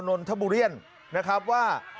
นนทบุรีว่า